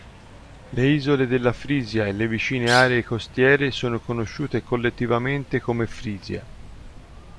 Le isole della Frisia e le vicine aree costiere sono conosciute collettivamente come Frisia.